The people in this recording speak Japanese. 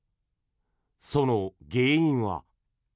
その原因は。